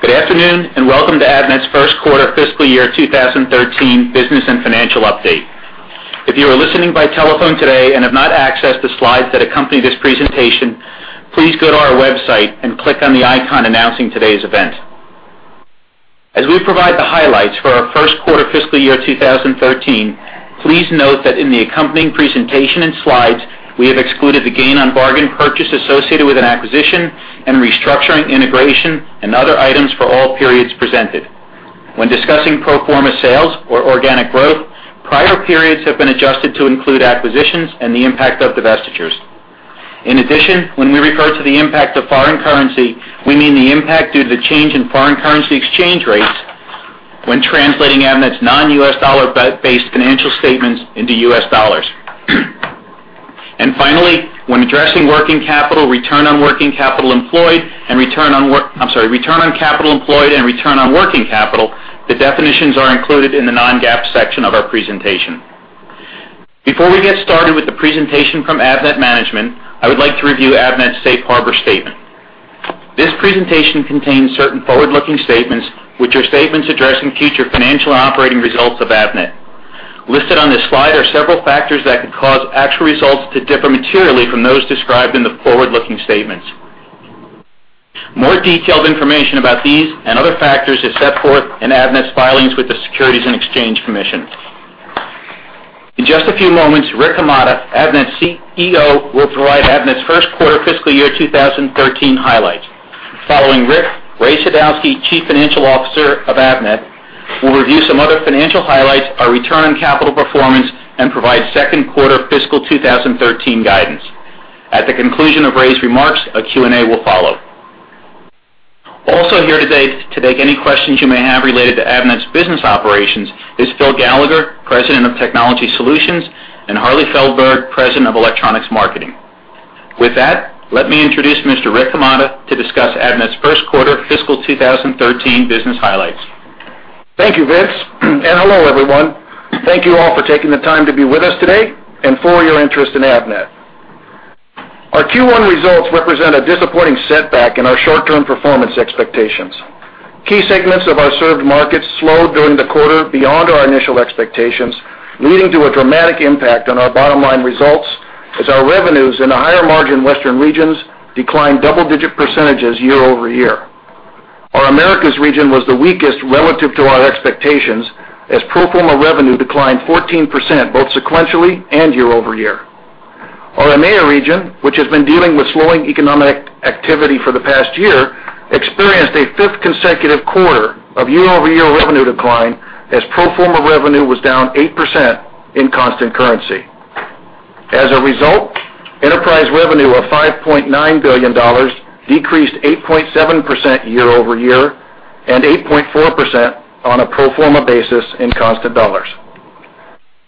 Good afternoon and welcome to Avnet's first quarter fiscal year 2013 business and financial update. If you are listening by telephone today and have not accessed the slides that accompany this presentation, please go to our website and click on the icon announcing today's event. As we provide the highlights for our first quarter fiscal year 2013, please note that in the accompanying presentation and slides, we have excluded the gain on bargain purchase associated with an acquisition and restructuring integration and other items for all periods presented. When discussing pro forma sales or organic growth, prior periods have been adjusted to include acquisitions and the impact of divestitures. In addition, when we refer to the impact of foreign currency, we mean the impact due to the change in foreign currency exchange rates when translating Avnet's non-U.S. dollar-based financial statements into U.S. dollars. Finally, when addressing working capital, return on working capital employed, and return on capital employed and return on working capital, the definitions are included in the non-GAAP section of our presentation. Before we get started with the presentation from Avnet Management, I would like to review Avnet's safe harbor statement. This presentation contains certain forward-looking statements, which are statements addressing future financial and operating results of Avnet. Listed on this slide are several factors that could cause actual results to differ materially from those described in the forward-looking statements. More detailed information about these and other factors is set forth in Avnet's filings with the Securities and Exchange Commission. In just a few moments, Rick Hamada, Avnet's CEO, will provide Avnet's first quarter fiscal year 2013 highlights. Following Rick, Ray Sadowski, Chief Financial Officer of Avnet, will review some other financial highlights, our return on capital performance, and provide second quarter fiscal 2013 guidance. At the conclusion of Ray's remarks, a Q&A will follow. Also here today to take any questions you may have related to Avnet's business operations is Phil Gallagher, President of Technology Solutions, and Harley Feldberg, President of Electronics Marketing. With that, let me introduce Mr. Rick Hamada to discuss Avnet's first quarter fiscal 2013 business highlights. Thank you, Vince, and hello everyone. Thank you all for taking the time to be with us today and for your interest in Avnet. Our Q1 results represent a disappointing setback in our short-term performance expectations. Key segments of our served markets slowed during the quarter beyond our initial expectations, leading to a dramatic impact on our bottom line results as our revenues in the higher margin Western regions declined double-digit percentages year-over-year. Our Americas region was the weakest relative to our expectations as pro forma revenue declined 14% both sequentially and year-over-year. Our EMEA region, which has been dealing with slowing economic activity for the past year, experienced a fifth consecutive quarter of year-over-year revenue decline as pro forma revenue was down 8% in constant currency. As a result, enterprise revenue of $5.9 billion decreased 8.7% year-over-year and 8.4% on a pro forma basis in constant dollars.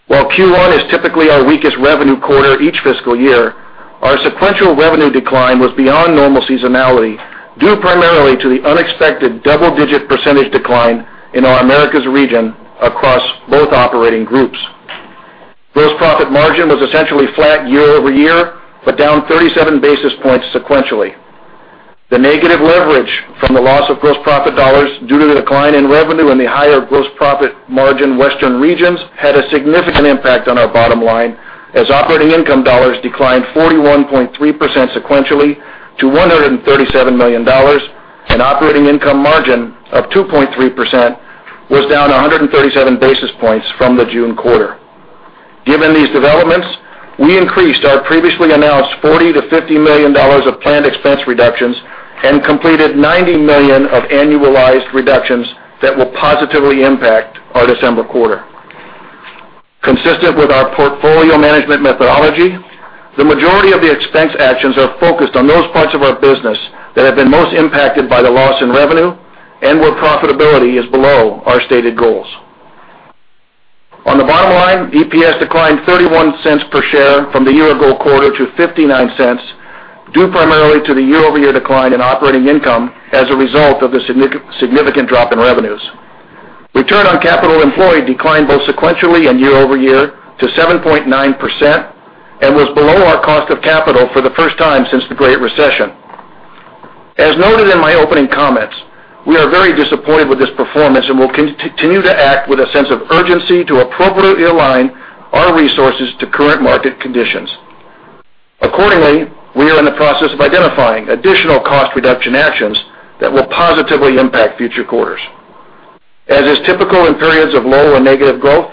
While Q1 is typically our weakest revenue quarter each fiscal year, our sequential revenue decline was beyond normal seasonality due primarily to the unexpected double-digit percentage decline in our Americas region across both operating groups. Gross profit margin was essentially flat year-over-year but down 37 basis points sequentially. The negative leverage from the loss of gross profit dollars due to the decline in revenue in the higher gross profit margin Western regions had a significant impact on our bottom line as operating income dollars declined 41.3% sequentially to $137 million and operating income margin of 2.3% was down 137 basis points from the June quarter. Given these developments, we increased our previously announced $40 million to $50 million of planned expense reductions and completed $90 million of annualized reductions that will positively impact our December quarter. Consistent with our portfolio management methodology, the majority of the expense actions are focused on those parts of our business that have been most impacted by the loss in revenue and where profitability is below our stated goals. On the bottom line, EPS declined $0.31 per share from the year-ago quarter to $0.59 due primarily to the year-over-year decline in operating income as a result of the significant drop in revenues. Return on capital employed declined both sequentially and year-over-year to 7.9% and was below our cost of capital for the first time since the Great Recession. As noted in my opening comments, we are very disappointed with this performance and will continue to act with a sense of urgency to appropriately align our resources to current market conditions. Accordingly, we are in the process of identifying additional cost reduction actions that will positively impact future quarters. As is typical in periods of low or negative growth,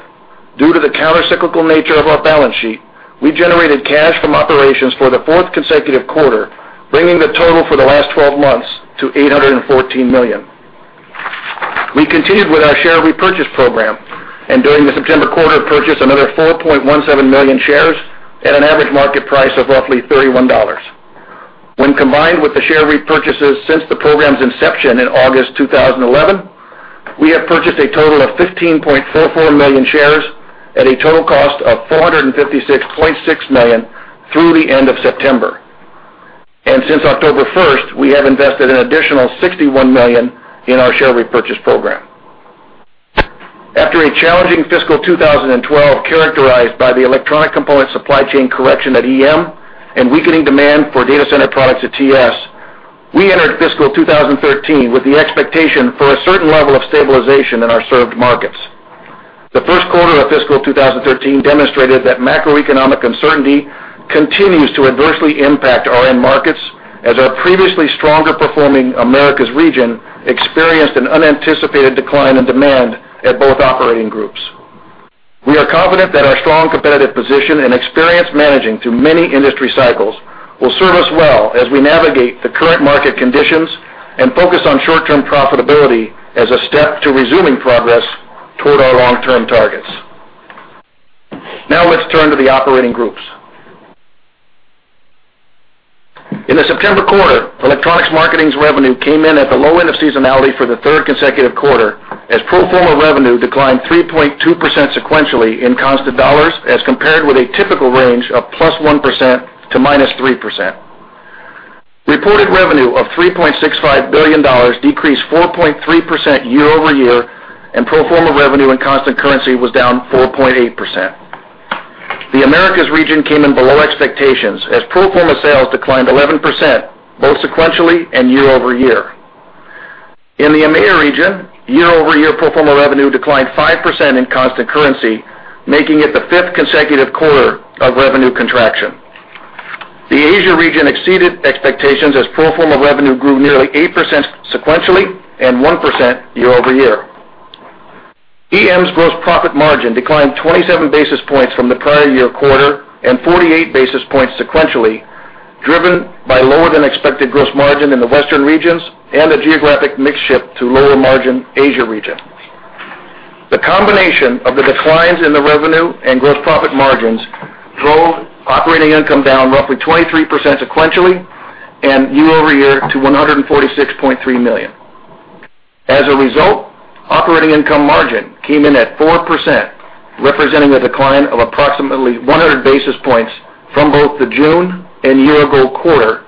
due to the countercyclical nature of our balance sheet, we generated cash from operations for the fourth consecutive quarter, bringing the total for the last 12 months to $814 million. We continued with our share repurchase program and during the September quarter purchased another 4.17 million shares at an average market price of roughly $31. When combined with the share repurchases since the program's inception in August 2011, we have purchased a total of 15.44 million shares at a total cost of $456.6 million through the end of September. Since October 1st, we have invested an additional $61 million in our share repurchase program. After a challenging fiscal 2012 characterized by the electronic component supply chain correction at EM and weakening demand for data center products at TS, we entered fiscal 2013 with the expectation for a certain level of stabilization in our served markets. The first quarter of fiscal 2013 demonstrated that macroeconomic uncertainty continues to adversely impact our end markets as our previously stronger performing Americas region experienced an unanticipated decline in demand at both operating groups. We are confident that our strong competitive position and experience managing through many industry cycles will serve us well as we navigate the current market conditions and focus on short-term profitability as a step to resuming progress toward our long-term targets. Now let's turn to the operating groups. In the September quarter, electronics marketing's revenue came in at the low end of seasonality for the third consecutive quarter as pro forma revenue declined 3.2% sequentially in constant dollars as compared with a typical range of +1% to -3%. Reported revenue of $3.65 billion decreased 4.3% year-over-year and pro forma revenue in constant currency was down 4.8%. The Americas region came in below expectations as pro forma sales declined 11% both sequentially and year-over-year. In the EMEA region, year-over-year pro forma revenue declined 5% in constant currency, making it the fifth consecutive quarter of revenue contraction. The Asia region exceeded expectations as pro forma revenue grew nearly 8% sequentially and 1% year-over-year. EM's gross profit margin declined 27 basis points from the prior year quarter and 48 basis points sequentially, driven by lower than expected gross margin in the Western regions and the geographic mix shift to lower margin Asia region. The combination of the declines in the revenue and gross profit margins drove operating income down roughly 23% sequentially and year-over-year to $146.3 million. As a result, operating income margin came in at 4%, representing a decline of approximately 100 basis points from both the June and year ago quarter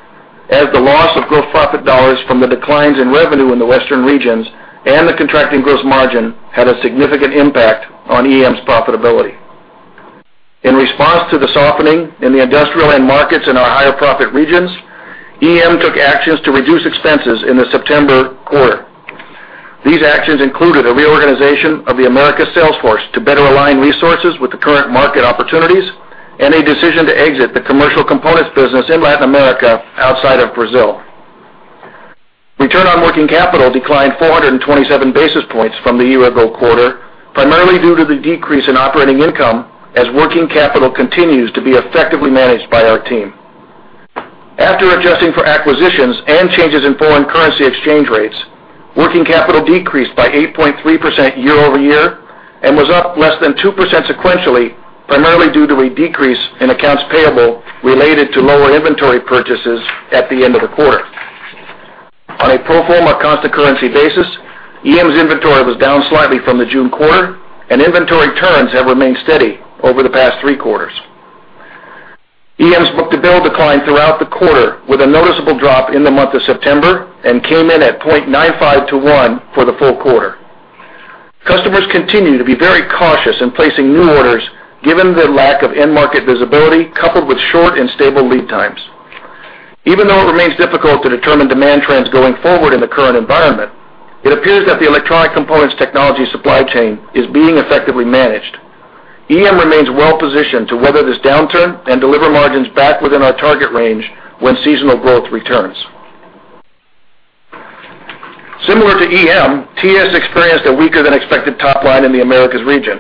as the loss of gross profit dollars from the declines in revenue in the Western regions and the contracting gross margin had a significant impact on EM's profitability. In response to the softening in the industrial end markets in our higher profit regions, EM took actions to reduce expenses in the September quarter. These actions included a reorganization of the Americas sales force to better align resources with the current market opportunities and a decision to exit the commercial components business in Latin America outside of Brazil. Return on Working Capital declined 427 basis points from the year ago quarter, primarily due to the decrease in operating income as working capital continues to be effectively managed by our team. After adjusting for acquisitions and changes in foreign currency exchange rates, working capital decreased by 8.3% year-over-year and was up less than 2% sequentially, primarily due to a decrease in accounts payable related to lower inventory purchases at the end of the quarter. On a pro forma constant currency basis, EM's inventory was down slightly from the June quarter, and inventory turns have remained steady over the past three quarters. EM's book-to-bill declined throughout the quarter with a noticeable drop in the month of September and came in at 0.95-to-1 for the full quarter. Customers continue to be very cautious in placing new orders given the lack of end market visibility coupled with short and stable lead times. Even though it remains difficult to determine demand trends going forward in the current environment, it appears that the electronic components technology supply chain is being effectively managed. EM remains well positioned to weather this downturn and deliver margins back within our target range when seasonal growth returns. Similar to EM, TS experienced a weaker than expected top line in the Americas region.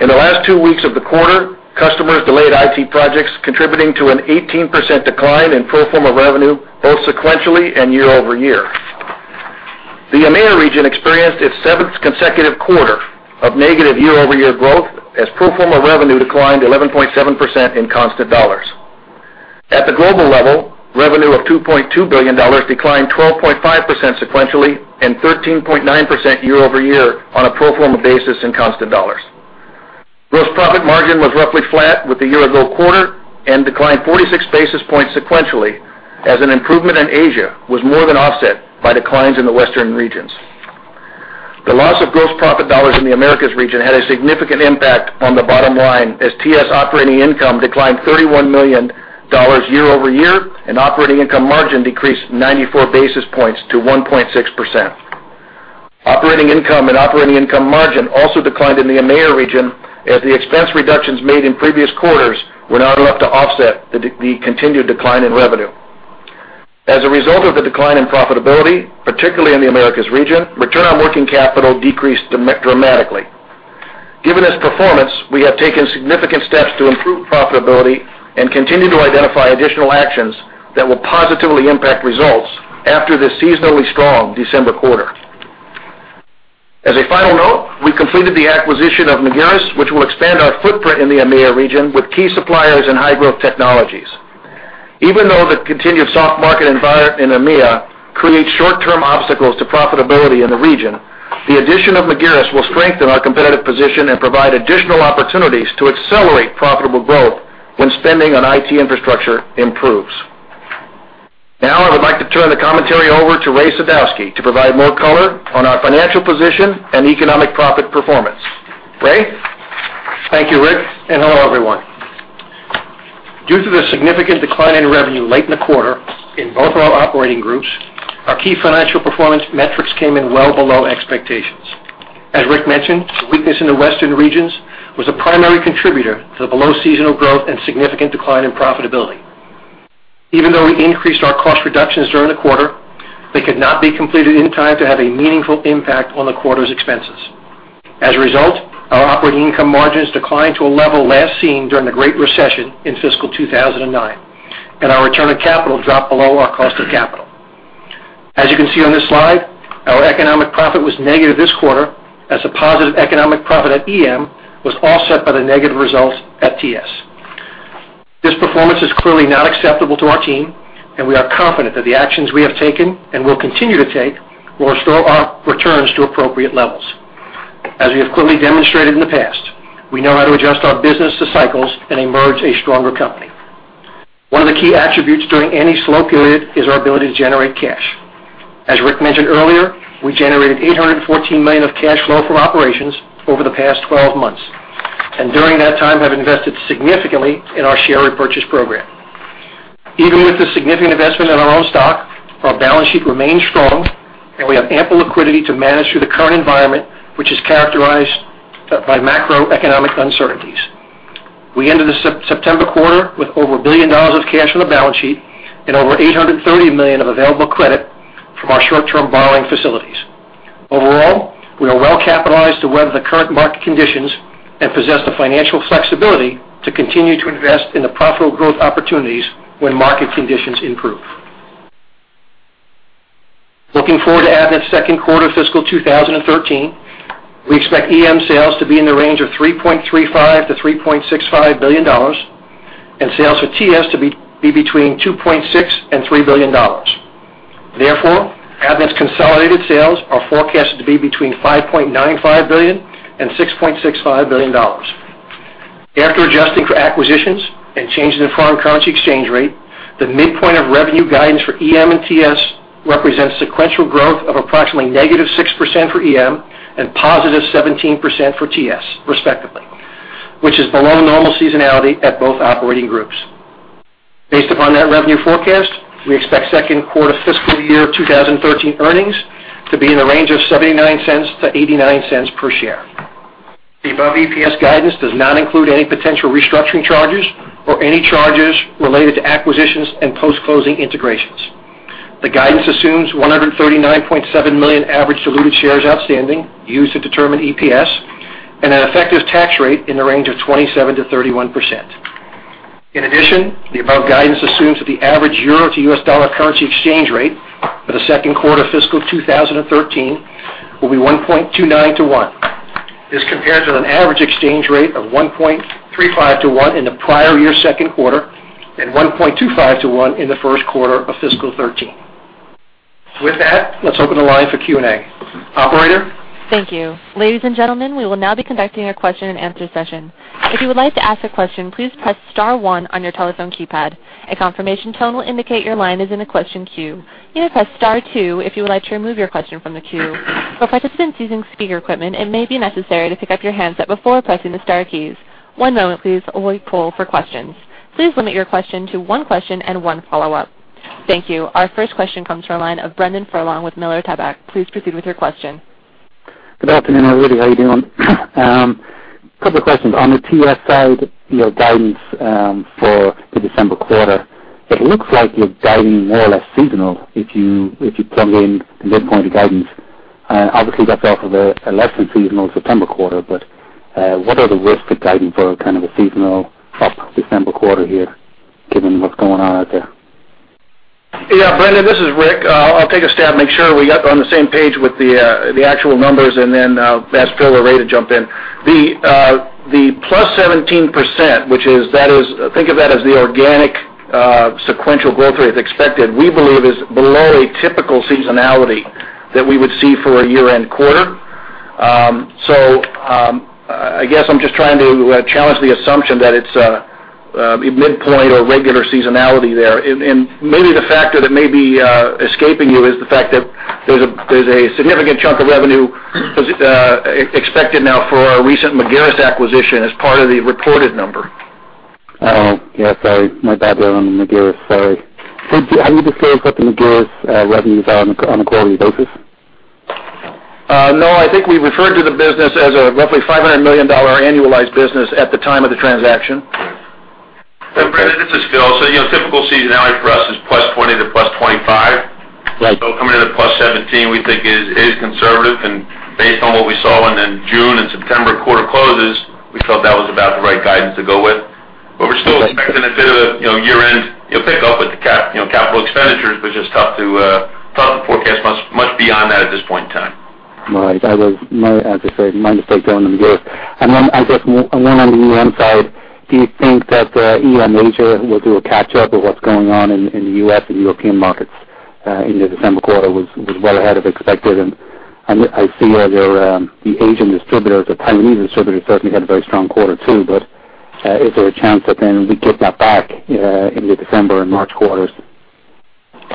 In the last two weeks of the quarter, customers delayed IT projects, contributing to an 18% decline in pro forma revenue both sequentially and year-over-year. The EMEA region experienced its seventh consecutive quarter of negative year-over-year growth as pro forma revenue declined 11.7% in constant dollars. At the global level, revenue of $2.2 billion declined 12.5% sequentially and 13.9% year-over-year on a pro forma basis in constant dollars. Gross profit margin was roughly flat with the year ago quarter and declined 46 basis points sequentially as an improvement in Asia was more than offset by declines in the Western regions. The loss of gross profit dollars in the Americas region had a significant impact on the bottom line as TS operating income declined $31 million year-over-year and operating income margin decreased 94 basis points to 1.6%. Operating income and operating income margin also declined in the EMEA region as the expense reductions made in previous quarters were not enough to offset the continued decline in revenue. As a result of the decline in profitability, particularly in the Americas region, return on working capital decreased dramatically. Given this performance, we have taken significant steps to improve profitability and continue to identify additional actions that will positively impact results after this seasonally strong December quarter. As a final note, we completed the acquisition of Magirus, which will expand our footprint in the EMEA region with key suppliers in high growth technologies. Even though the continued soft market environment in EMEA creates short-term obstacles to profitability in the region, the addition of Magirus will strengthen our competitive position and provide additional opportunities to accelerate profitable growth when spending on IT infrastructure improves. Now I would like to turn the commentary over to Ray Sadowski to provide more color on our financial position and economic profit performance. Ray? Thank you, Rick, and hello everyone. Due to the significant decline in revenue late in the quarter in both of our operating groups, our key financial performance metrics came in well below expectations. As Rick mentioned, the weakness in the Western regions was a primary contributor to the below seasonal growth and significant decline in profitability. Even though we increased our cost reductions during the quarter, they could not be completed in time to have a meaningful impact on the quarter's expenses. As a result, our operating income margins declined to a level last seen during the Great Recession in fiscal 2009, and our return on capital dropped below our cost of capital. As you can see on this slide, our economic profit was negative this quarter as the positive economic profit at EM was offset by the negative results at TS. This performance is clearly not acceptable to our team, and we are confident that the actions we have taken and will continue to take will restore our returns to appropriate levels. As we have clearly demonstrated in the past, we know how to adjust our business to cycles and emerge a stronger company. One of the key attributes during any slow period is our ability to generate cash. As Rick mentioned earlier, we generated $814 million of cash flow from operations over the past 12 months and during that time have invested significantly in our share repurchase program. Even with the significant investment in our own stock, our balance sheet remains strong, and we have ample liquidity to manage through the current environment, which is characterized by macroeconomic uncertainties. We ended the September quarter with over $1 billion of cash on the balance sheet and over $830 million of available credit from our short-term borrowing facilities. Overall, we are well capitalized to weather the current market conditions and possess the financial flexibility to continue to invest in the profitable growth opportunities when market conditions improve. Looking forward to Avnet second quarter fiscal 2013, we expect EM sales to be in the range of $3.35 billion to $3.65 billion and sales for TS to be between $2.6 billion and $3 billion. Therefore, Avnet's consolidated sales are forecast to be between $5.95 billion and $6.65 billion. After adjusting for acquisitions and changes in foreign currency exchange rate, the midpoint of revenue guidance for EM and TS represents sequential growth of approximately -6% for EM and +17% for TS, respectively, which is below normal seasonality at both operating groups. Based upon that revenue forecast, we expect second quarter fiscal year 2013 earnings to be in the range of $0.79 to $0.89 per share. The above EPS guidance does not include any potential restructuring charges or any charges related to acquisitions and post-closing integrations. The guidance assumes $139.7 million average diluted shares outstanding used to determine EPS and an effective tax rate in the range of 27% to 31%. In addition, the above guidance assumes that the average euro to U.S. dollar currency exchange rate for the second quarter fiscal 2013 will be 1.29-1. This compares with an average exchange rate of 1.35-1 in the prior year second quarter and 1.25-1 in the first quarter of fiscal 2013. With that, let's open the line for Q&A. Operator? Thank you. Ladies and gentlemen, we will now be conducting a question and answer session. If you would like to ask a question, please press star one on your telephone keypad. A confirmation tone will indicate your line is in the question queue. You may press star two if you would like to remove your question from the queue. For participants using speaker equipment, it may be necessary to pick up your handset before pressing the star keys. One moment, please, while we pull for questions. Please limit your question to one question and one follow-up. Thank you. Our first question comes from a line of Brendan Furlong with Miller Tabak. Please proceed with your question. Good afternoon, everybody. How are you doing? A couple of questions. On the TS side, your guidance for the December quarter, it looks like you're guiding more or less seasonal if you plug in midpoint guidance. Obviously, that's off of a less than seasonal September quarter, but what are the risks of guiding for kind of a seasonal up December quarter here given what's going on out there? Yeah, Brendan, this is Rick. I'll take a stab and make sure we're on the same page with the actual numbers and then ask Phil or Ray to jump in. The +17%, which is, think of that as the organic sequential growth rate expected, we believe is below a typical seasonality that we would see for a year-end quarter. So I guess I'm just trying to challenge the assumption that it's a midpoint or regular seasonality there. Maybe the factor that may be escaping you is the fact that there's a significant chunk of revenue expected now for our recent Magirus acquisition as part of the reported number. Oh, yes, sorry. My bad there on Magirus. Sorry. How do you describe what the Magirus revenues are on a quarterly basis? No, I think we referred to the business as a roughly $500 million annualized business at the time of the transaction. So, Brendan, this is Phil. So typical seasonality for us is +20 to +25. So coming into +17, we think is conservative. And based on what we saw in June and September quarter closes, we felt that was about the right guidance to go with. But we're still expecting a bit of a year-end pickup with the capital expenditures, but just tough to forecast much beyond that at this point in time. Right. I was. As I say, my mistake there on the Magirus. And then, I guess, one on the EM side, do you think that EM Asia will do a catch-up of what's going on in the U.S. and European markets in the December quarter? It was well ahead of expected. And I see the Asian distributors, the Taiwanese distributors certainly had a very strong quarter too, but is there a chance that then we get that back in the December and March quarters? Go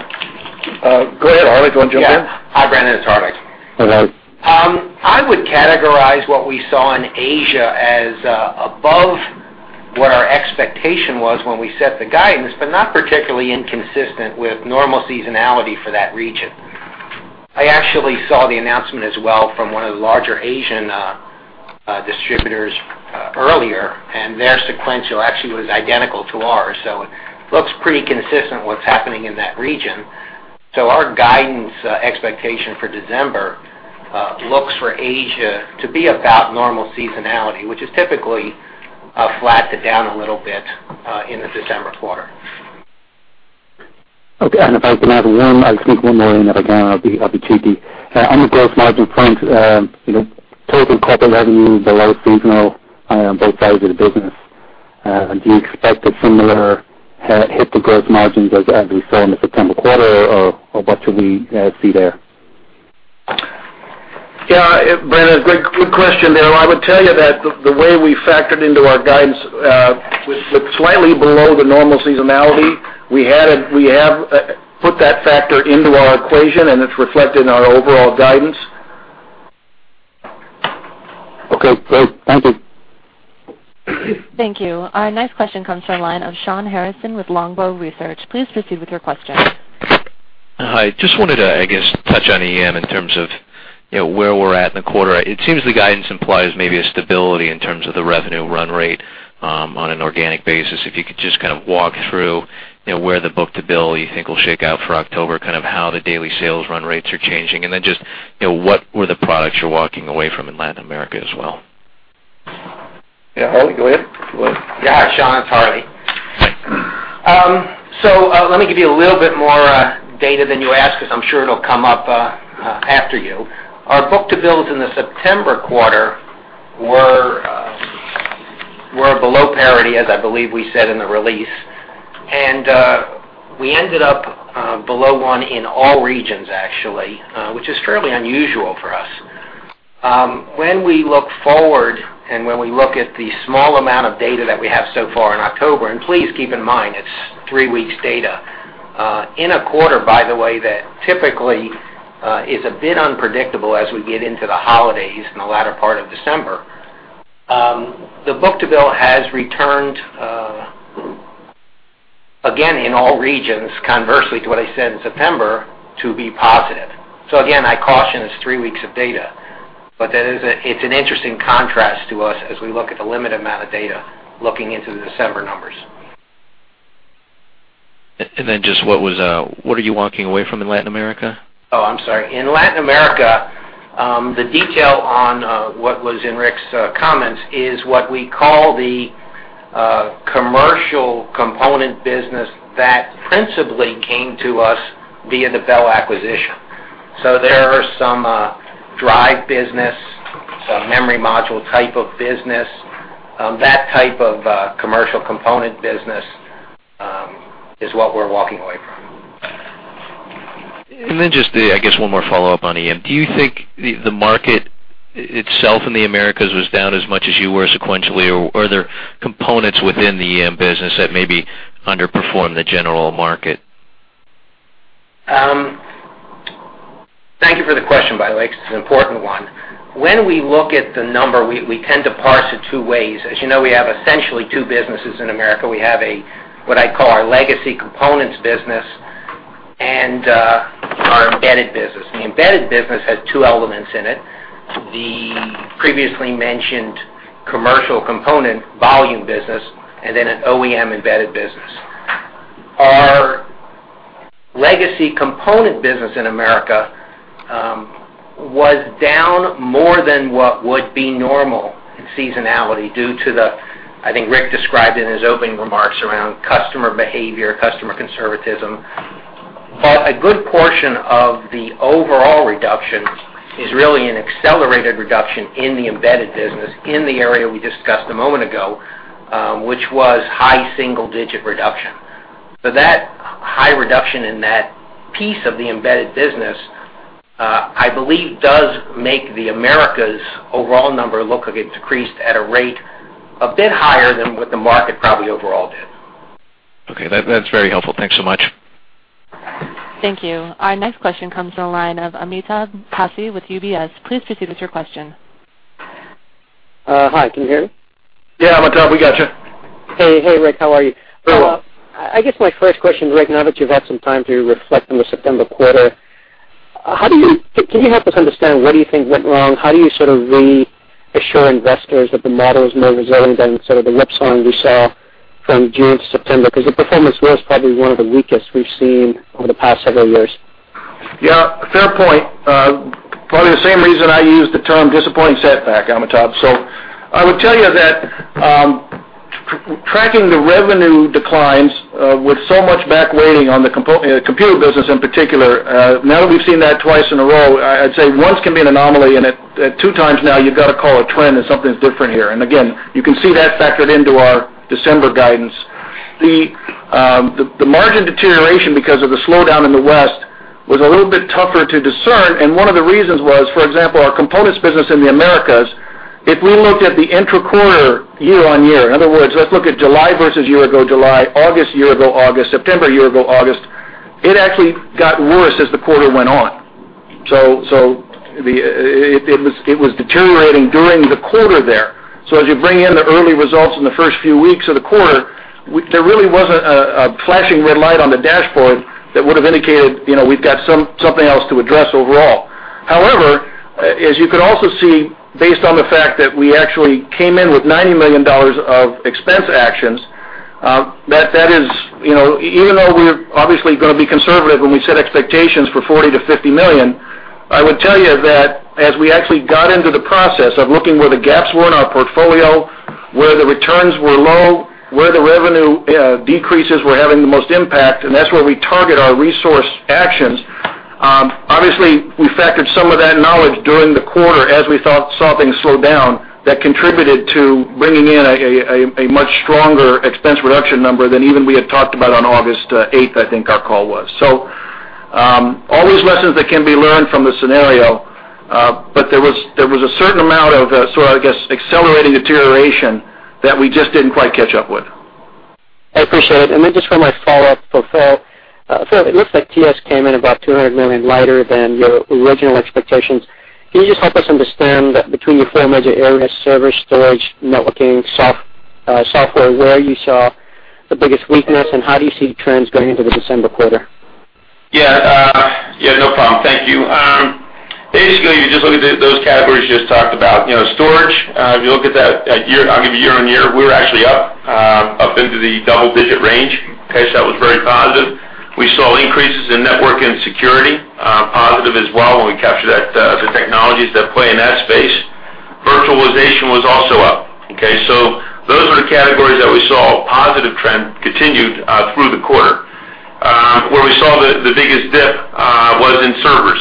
ahead, Rick, you want to jump in? Yeah. Hi, Brendan, it's Rick. All right. I would categorize what we saw in Asia as above what our expectation was when we set the guidance, but not particularly inconsistent with normal seasonality for that region. I actually saw the announcement as well from one of the larger Asian distributors earlier, and their sequential actually was identical to ours. So it looks pretty consistent with what's happening in that region. So our guidance expectation for December looks for Asia to be about normal seasonality, which is typically flat to down a little bit in the December quarter. Okay. And if I can add one, I think one more in, if I can, I'll be cheeky. On the gross margin front, total corporate revenue below seasonal on both sides of the business. Do you expect a similar hit to gross margins as we saw in the September quarter, or what should we see there? Yeah, Brendan, good question there. I would tell you that the way we factored into our guidance with slightly below the normal seasonality, we have put that factor into our equation, and it's reflected in our overall guidance. Okay. Great. Thank you. Thank you. Our next question comes from a line of Shawn Harrison with Longbow Research. Please proceed with your question. Hi. Just wanted to, I guess, touch on EM in terms of where we're at in the quarter. It seems the guidance implies maybe a stability in terms of the revenue run rate on an organic basis. If you could just kind of walk through where the book-to-bill you think will shake out for October, kind of how the daily sales run rates are changing, and then just what were the products you're walking away from in Latin America as well? Yeah, Rick, go ahead. Yeah, Sean, it's Harley. So let me give you a little bit more data than you asked because I'm sure it'll come up after you. Our book-to-bills in the September quarter were below parity, as I believe we said in the release. And we ended up below one in all regions, actually, which is fairly unusual for us. When we look forward and when we look at the small amount of data that we have so far in October, and please keep in mind it's three weeks' data, in a quarter, by the way, that typically is a bit unpredictable as we get into the holidays in the latter part of December, the book-to-bill has returned, again, in all regions, conversely to what I said in September, to be positive. So again, I caution this three weeks of data, but it's an interesting contrast to us as we look at the limited amount of data looking into the December numbers. Just what are you walking away from in Latin America? Oh, I'm sorry. In Latin America, the detail on what was in Rick's comments is what we call the commercial component business that principally came to us via the Bell acquisition. So there are some drive business, some memory module type of business. That type of commercial component business is what we're walking away from. And then just, I guess, one more follow-up on EM. Do you think the market itself in the Americas was down as much as you were sequentially, or are there components within the EM business that maybe underperform the general market? Thank you for the question, by the way, because it's an important one. When we look at the number, we tend to parse it two ways. As you know, we have essentially two businesses in Americas. We have what I call our legacy components business and our embedded business. The embedded business has two elements in it: the previously mentioned commercial component volume business and then an OEM embedded business. Our legacy component business in Americas was down more than what would be normal in seasonality due to the, I think Rick described in his opening remarks around customer behavior, customer conservatism. But a good portion of the overall reduction is really an accelerated reduction in the embedded business in the area we discussed a moment ago, which was high single-digit reduction. So that high reduction in that piece of the embedded business, I believe, does make the Americas overall number look decreased at a rate a bit higher than what the market probably overall did. Okay. That's very helpful. Thanks so much. Thank you. Our next question comes from a line of Amitabh Passi with UBS. Please proceed with your question. Hi. Can you hear me? Yeah, Amitabh, we got you. Hey. Hey, Rick. How are you? Hello. I guess my first question, Rick, now that you've had some time to reflect on the September quarter, can you help us understand what do you think went wrong? How do you sort of reassure investors that the model is more resilient than sort of the whipsawing we saw from June to September? Because the performance was probably one of the weakest we've seen over the past several years. Yeah. Fair point. Probably the same reason I used the term disappointing setback, Amitabh. So I would tell you that tracking the revenue declines with so much back weighting on the computer business in particular, now that we've seen that twice in a row, I'd say once can be an anomaly, and two times now, you've got to call a trend that something's different here. And again, you can see that factored into our December guidance. The margin deterioration because of the slowdown in the West was a little bit tougher to discern. And one of the reasons was, for example, our components business in the Americas, if we looked at the intra-quarter year-on-year, in other words, let's look at July versus year-ago July, August year-ago August, September year-ago September, it actually got worse as the quarter went on. So it was deteriorating during the quarter there. So as you bring in the early results in the first few weeks of the quarter, there really wasn't a flashing red light on the dashboard that would have indicated we've got something else to address overall. However, as you could also see, based on the fact that we actually came in with $90 million of expense actions, that is, even though we're obviously going to be conservative when we set expectations for $40 million-$50 million, I would tell you that as we actually got into the process of looking where the gaps were in our portfolio, where the returns were low, where the revenue decreases were having the most impact, and that's where we target our resource actions, obviously, we factored some of that knowledge during the quarter as we saw things slow down that contributed to bringing in a much stronger expense reduction number than even we had talked about on August 8th, I think our call was. So always lessons that can be learned from the scenario, but there was a certain amount of sort of, I guess, accelerating deterioration that we just didn't quite catch up with. I appreciate it. Then just for my follow-up, Phil. It looks like TS came in about $200 million lighter than your original expectations. Can you just help us understand between your four major areas, servers, storage, networking, software where you saw the biggest weakness, and how do you see trends going into the December quarter? Yeah. Yeah, no problem. Thank you. Basically, you just look at those categories you just talked about. Storage, if you look at that, I'll give you year-on-year, we were actually up into the double-digit range. Okay. So that was very positive. We saw increases in network and security, positive as well when we captured the technologies that play in that space. Virtualization was also up. Okay. So those were the categories that we saw positive trend continued through the quarter. Where we saw the biggest dip was in servers.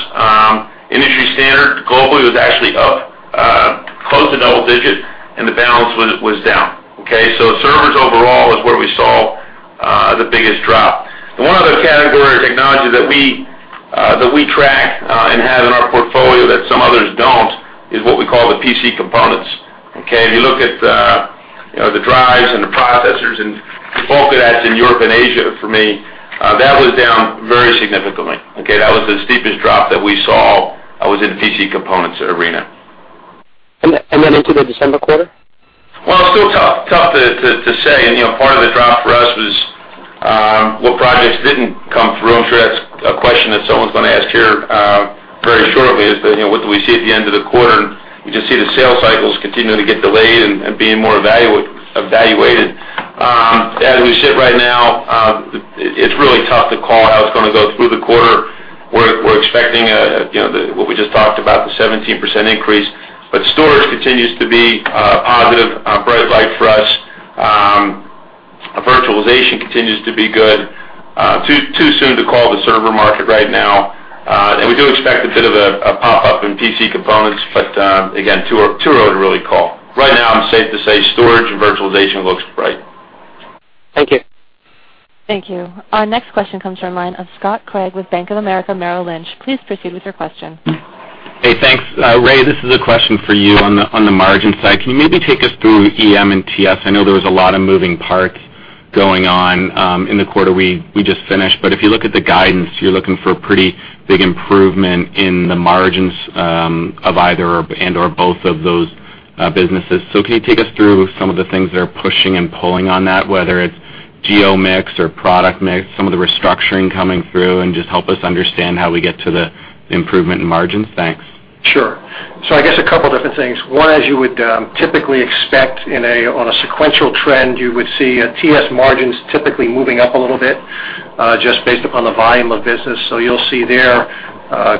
Industry standard globally was actually up close to double-digit, and the balance was down. Okay. So servers overall is where we saw the biggest drop. One other category of technology that we track and have in our portfolio that some others don't is what we call the PC components. Okay. If you look at the drives and the processors and the bulk of that's in Europe and Asia for me, that was down very significantly. Okay. That was the steepest drop that we saw was in the PC components arena. And then into the December quarter? Well, it's still tough to say. Part of the drop for us was what projects didn't come through. I'm sure that's a question that someone's going to ask here very shortly: what do we see at the end of the quarter? And we just see the sales cycles continuing to get delayed and being more evaluated. As we sit right now, it's really tough to call how it's going to go through the quarter. We're expecting what we just talked about, the 17% increase. But storage continues to be positive, bright light for us. Virtualization continues to be good. Too soon to call the server market right now. And we do expect a bit of a pop-up in PC components, but again, too early to really call. Right now, I'm safe to say storage and virtualization looks bright. Thank you. Thank you. Our next question comes from a line of Scott Craig with Bank of America Merrill Lynch. Please proceed with your question. Hey, thanks. Ray, this is a question for you on the margin side. Can you maybe take us through EM and TS? I know there was a lot of moving parts going on in the quarter we just finished, but if you look at the guidance, you're looking for a pretty big improvement in the margins of either and/or both of those businesses. So can you take us through some of the things that are pushing and pulling on that, whether it's geo mix or product mix, some of the restructuring coming through, and just help us understand how we get to the improvement in margins? Thanks. Sure. So I guess a couple of different things. One, as you would typically expect on a sequential trend, you would see TS margins typically moving up a little bit just based upon the volume of business. So you'll see their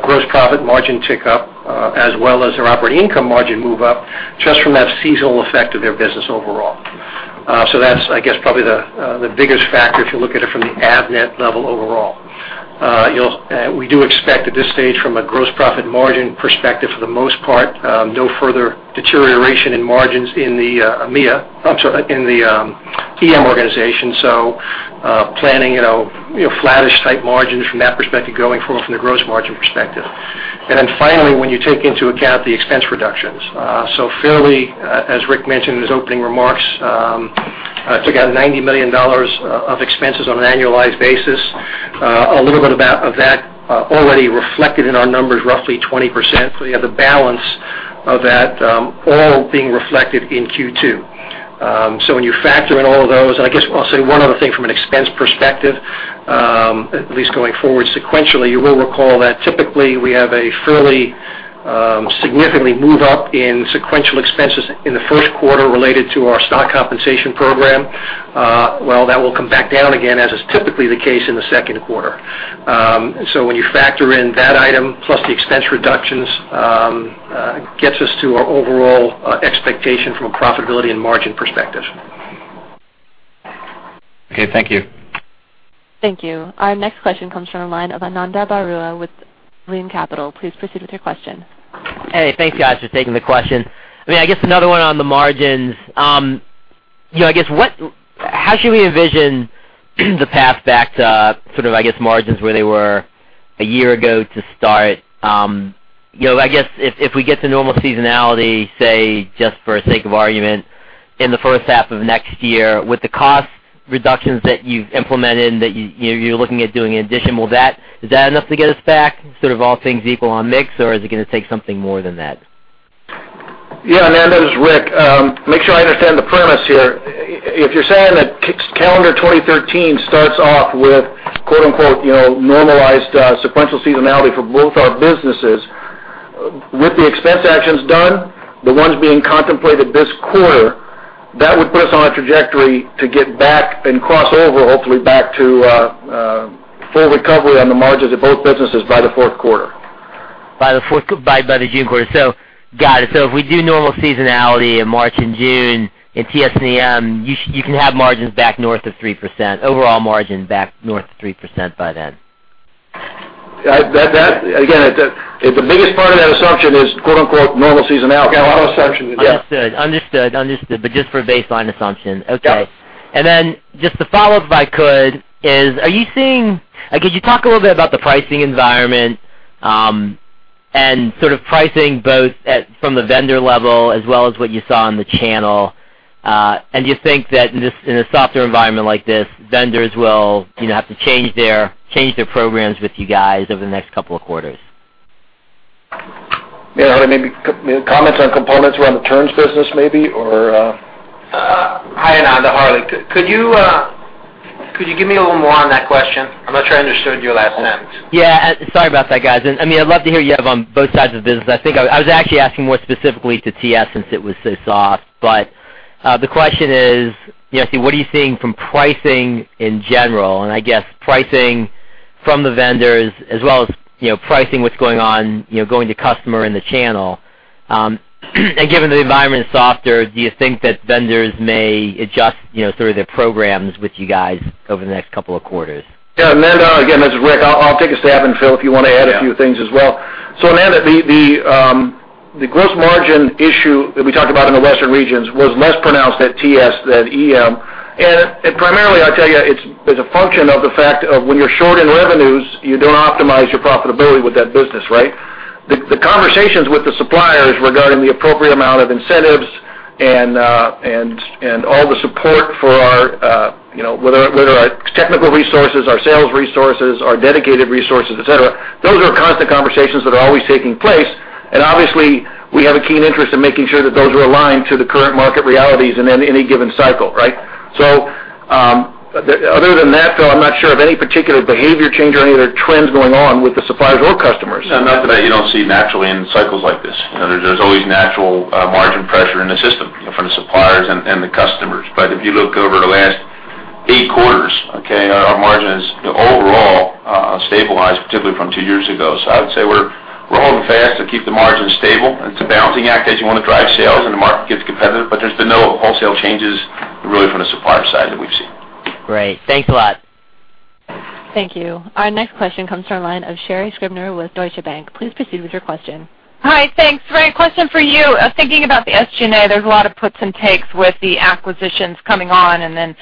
gross profit margin tick up as well as their operating income margin move up just from that seasonal effect of their business overall. So that's, I guess, probably the biggest factor if you look at it from the Avnet level overall. We do expect at this stage from a gross profit margin perspective for the most part, no further deterioration in margins in the EM organization. So planning flattish-type margins from that perspective going forward from the gross margin perspective. And then finally, when you take into account the expense reductions. So fairly, as Rick mentioned in his opening remarks, it took out $90 million of expenses on an annualized basis. A little bit of that already reflected in our numbers, roughly 20%. So you have the balance of that all being reflected in Q2. So when you factor in all of those, and I guess I'll say one other thing from an expense perspective, at least going forward sequentially, you will recall that typically we have a fairly significant move up in sequential expenses in the first quarter related to our stock compensation program. Well, that will come back down again as is typically the case in the second quarter. So when you factor in that item plus the expense reductions, it gets us to our overall expectation from a profitability and margin perspective. Okay. Thank you. Thank you. Our next question comes from a line of Ananda Baruah with Brean Capital. Please proceed with your question. Hey. Thanks, guys, for taking the question. I mean, I guess another one on the margins. I guess how should we envision the path back to sort of, I guess, margins where they were a year ago to start? I guess if we get the normal seasonality, say, just for the sake of argument, in the first half of next year with the cost reductions that you've implemented that you're looking at doing in addition, is that enough to get us back sort of all things equal on mix, or is it going to take something more than that? Yeah. And, Rick, make sure I understand the premise here. If you're saying that calendar 2013 starts off with "normalized sequential seasonality" for both our businesses with the expense actions done, the ones being contemplated this quarter, that would put us on a trajectory to get back and cross over hopefully back to full recovery on the margins of both businesses by the fourth quarter. By the June quarter. So got it. So if we do normal seasonality in March and June in TS and EM, you can have margins back north of 3%, overall margin back north of 3% by then. Again, the biggest part of that assumption is "normal seasonality." Okay. A lot of assumptions. Understood. Understood. Understood. But just for baseline assumption. Okay. And then just to follow up if I could is, could you talk a little bit about the pricing environment and sort of pricing both from the vendor level as well as what you saw in the channel? And do you think that in a softer environment like this, vendors will have to change their programs with you guys over the next couple of quarters? Yeah. Maybe comments on components around the terms business maybe, or? Hi, Ananda. Could you give me a little more on that question? I'm not sure I understood your last sentence. Yeah. Sorry about that, guys. I mean, I'd love to hear you have on both sides of the business. I was actually asking more specifically to TS since it was so soft. But the question is, what are you seeing from pricing in general? And I guess pricing from the vendors as well as pricing what's going on going to customer in the channel. And given the environment is softer, do you think that vendors may adjust sort of their programs with you guys over the next couple of quarters? Yeah. Again, this is Rick. I'll take a stab, and Phil, if you want to add a few things as well. So Ananda, the gross margin issue that we talked about in the Western regions was less pronounced at TS than EM. And primarily, I'll tell you, it's a function of the fact of when you're short in revenues, you don't optimize your profitability with that business, right? The conversations with the suppliers regarding the appropriate amount of incentives and all the support for whether our technical resources, our sales resources, our dedicated resources, etc., those are constant conversations that are always taking place. And obviously, we have a keen interest in making sure that those are aligned to the current market realities and then any given cycle, right? Other than that, Phil, I'm not sure of any particular behavior change or any other trends going on with the suppliers or customers. No, not that you don't see naturally in cycles like this. There's always natural margin pressure in the system from the suppliers and the customers. But if you look over the last eight quarters, okay, our margins overall stabilized, particularly from two years ago. So I would say we're rolling fast to keep the margins stable. It's a balancing act as you want to drive sales and the market gets competitive, but there's been no wholesale changes really from the supplier side that we've seen. Great. Thanks a lot. Thank you. Our next question comes from a line of Sherri Scribner with Deutsche Bank. Please proceed with your question. Hi. Thanks. Ray, question for you. Thinking about the SG&A, there's a lot of puts and takes with the acquisitions coming on and then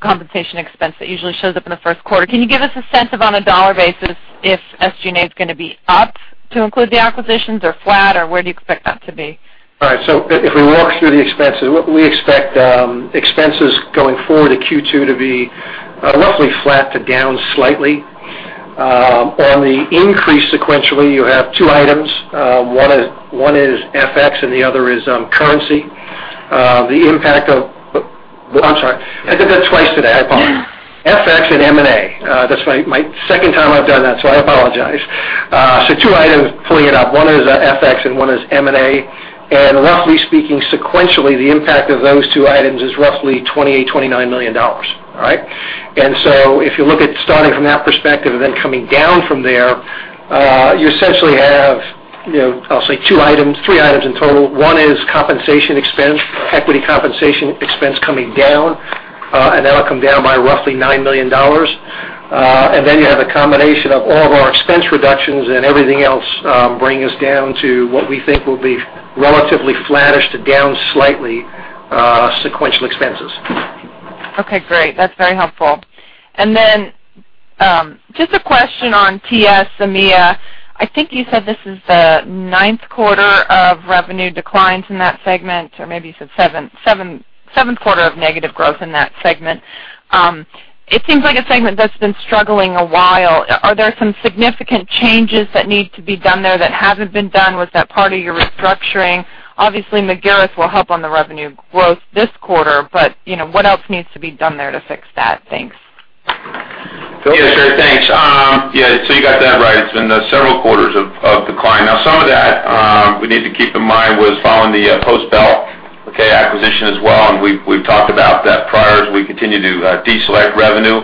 compensation expense that usually shows up in the first quarter. Can you give us a sense of on a dollar basis if SG&A is going to be up to include the acquisitions or flat, or where do you expect that to be? All right. So if we walk through the expenses, we expect expenses going forward to Q2 to be roughly flat to down slightly. On the increase sequentially, you have two items. One is FX and the other is currency. The impact of—I'm sorry. I did that twice today. I apologize. FX and M&A. That's my second time I've done that, so I apologize. So two items pulling it up. One is FX and one is M&A. And roughly speaking, sequentially, the impact of those two items is roughly $28 million to $29 million, all right? And so if you look at starting from that perspective and then coming down from there, you essentially have, I'll say, three items in total. One is equity compensation expense coming down, and that'll come down by roughly $9 million. And then you have a combination of all of our expense reductions and everything else bringing us down to what we think will be relatively flattish to down slightly sequential expenses. Okay. Great. That's very helpful. And then just a question on TS and EMEA. I think you said this is the ninth quarter of revenue declines in that segment, or maybe you said seventh quarter of negative growth in that segment. It seems like a segment that's been struggling a while. Are there some significant changes that need to be done there that haven't been done? Was that part of your restructuring? Obviously, Magirus will help on the revenue growth this quarter, but what else needs to be done there to fix that? Thanks. Yeah. Sure. Thanks. Yeah. So you got that right. It's been several quarters of decline. Now, some of that we need to keep in mind was following the post-Bell acquisition as well. And we've talked about that prior as we continue to deselect revenue,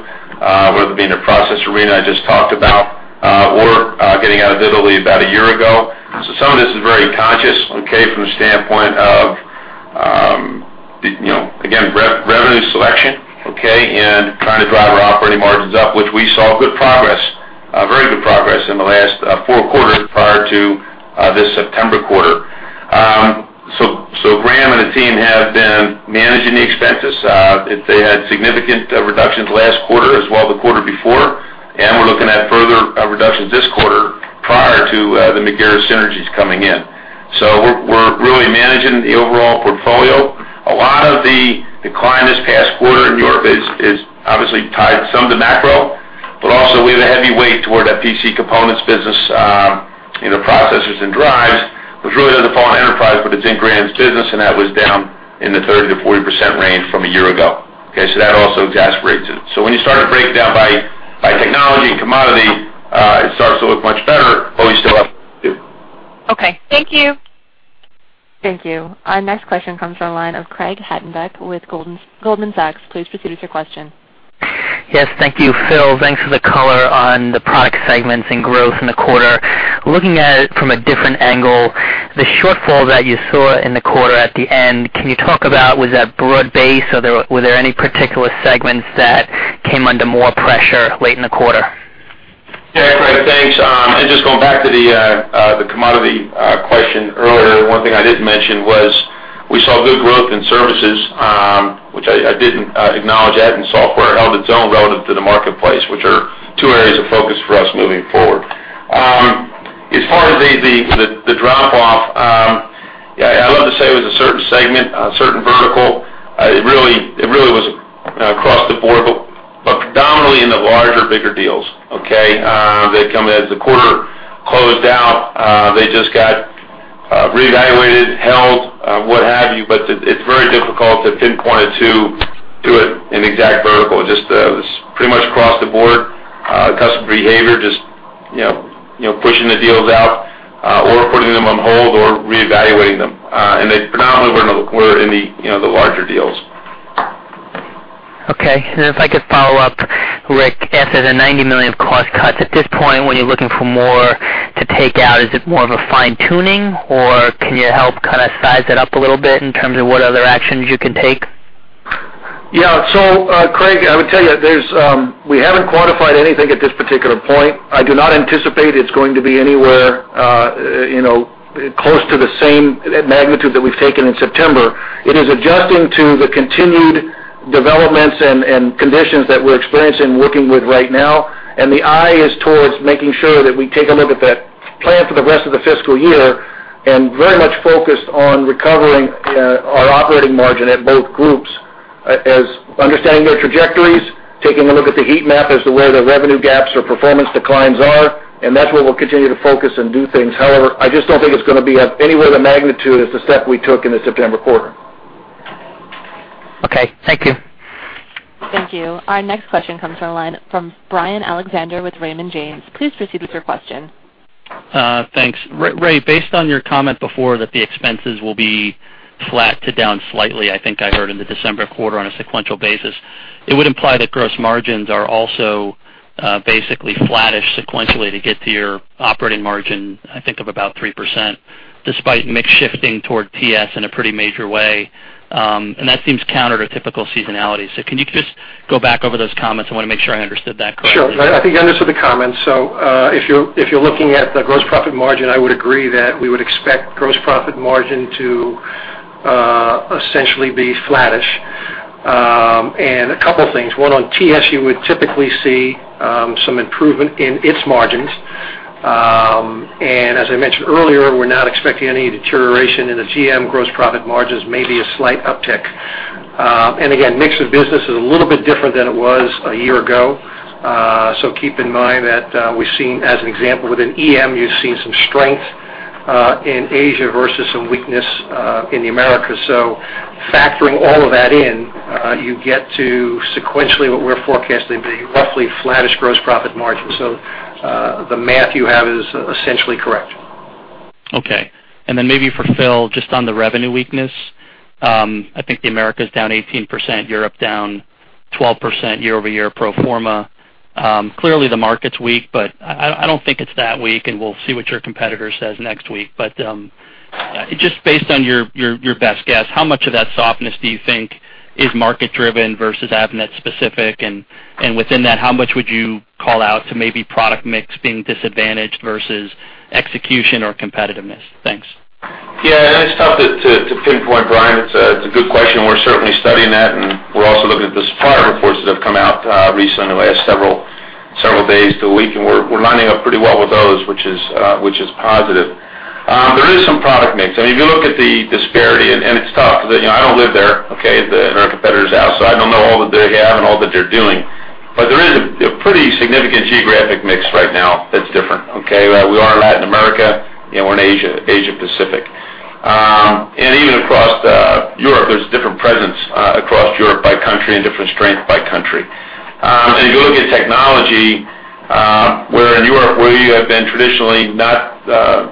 whether it be in the process arena I just talked about or getting out of Italy about a year ago. So some of this is very conscious, okay, from the standpoint of, again, revenue selection, okay, and trying to drive our operating margins up, which we saw very good progress in the last four quarters prior to this September quarter. So Graham and the team have been managing the expenses. They had significant reductions last quarter as well as the quarter before. And we're looking at further reductions this quarter prior to the Magirus synergies coming in. So we're really managing the overall portfolio. A lot of the decline this past quarter in Europe is obviously tied some to macro, but also we have a heavy weight toward that PC components business, the processors and drives, which really doesn't fall in enterprise, but it's in Graham's business, and that was down in the 30%-40% range from a year ago. Okay. So that also exasperates it. So when you start to break it down by technology and commodity, it starts to look much better, but we still have to. Okay. Thank you. Thank you. Our next question comes from a line of Craig Hettenbach with Goldman Sachs. Please proceed with your question. Yes. Thank you, Phil. Thanks for the color on the product segments and growth in the quarter. Looking at it from a different angle, the shortfall that you saw in the quarter at the end, can you talk about was that broad-based? Were there any particular segments that came under more pressure late in the quarter? Yeah. Great. Thanks. And just going back to the commodity question earlier, one thing I didn't mention was we saw good growth in services, which I didn't acknowledge that, and software held its own relative to the marketplace, which are two areas of focus for us moving forward. As far as the drop-off, I love to say it was a certain segment, a certain vertical. It really was across the board, but predominantly in the larger, bigger deals, okay, that come as the quarter closed out. They just got reevaluated, held, what have you, but it's very difficult to pinpoint it to an exact vertical. It was pretty much across the board, customer behavior, just pushing the deals out or putting them on hold or reevaluating them. And they predominantly were in the larger deals. Okay. If I could follow up, Rick, after the $90 million cost cuts, at this point, when you're looking for more to take out, is it more of a fine-tuning, or can you help kind of size it up a little bit in terms of what other actions you can take? Yeah. So Craig, I would tell you we haven't quantified anything at this particular point. I do not anticipate it's going to be anywhere close to the same magnitude that we've taken in September. It is adjusting to the continued developments and conditions that we're experiencing and working with right now. And the eye is towards making sure that we take a look at that plan for the rest of the fiscal year and very much focused on recovering our operating margin at both groups as understanding their trajectories, taking a look at the heat map as to where the revenue gaps or performance declines are. And that's where we'll continue to focus and do things. However, I just don't think it's going to be anywhere the magnitude as the step we took in the September quarter. Okay. Thank you. Thank you. Our next question comes from a line from Brian Alexander with Raymond James. Please proceed with your question. Thanks. Ray, based on your comment before that the expenses will be flat to down slightly, I think I heard in the December quarter on a sequential basis, it would imply that gross margins are also basically flattish sequentially to get to your operating margin, I think, of about 3% despite mix shifting toward TS in a pretty major way. And that seems counter to typical seasonality. So can you just go back over those comments? I want to make sure I understood that correctly. Sure. I think I understood the comments. So if you're looking at the gross profit margin, I would agree that we would expect gross profit margin to essentially be flattish. A couple of things. One on TS, you would typically see some improvement in its margins. As I mentioned earlier, we're not expecting any deterioration in the GM gross profit margins, maybe a slight uptick. Again, mix of business is a little bit different than it was a year ago. So keep in mind that we've seen, as an example, within EM, you've seen some strength in Asia versus some weakness in America. So factoring all of that in, you get to sequentially what we're forecasting to be roughly flattish gross profit margin. The math you have is essentially correct. Okay. Then maybe for Phil, just on the revenue weakness, I think the Americas down 18%, Europe down 12% year-over-year, pro forma. Clearly, the market's weak, but I don't think it's that weak. We'll see what your competitor says next week. But just based on your best guess, how much of that softness do you think is market-driven versus Avnet-specific? And within that, how much would you call out to maybe product mix being disadvantaged versus execution or competitiveness? Thanks. Yeah. And it's tough to pinpoint, Brian. It's a good question. We're certainly studying that. And we're also looking at the supplier reports that have come out recently the last several days to a week. And we're lining up pretty well with those, which is positive. There is some product mix. I mean, if you look at the disparity, and it's tough because I don't live there, okay, and our competitors outside. I don't know all that they have and all that they're doing. But there is a pretty significant geographic mix right now that's different, okay? We are in Latin America, and we're in Asia-Pacific. And even across Europe, there's different presence across Europe by country and different strength by country. And if you look at technology, where in Europe we have been traditionally not